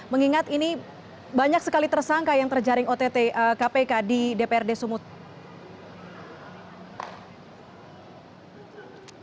mengingat ini banyak sekali tersangka yang terjaring ott kpk di dprd sumut